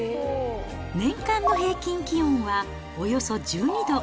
年間の平均気温はおよそ１２度。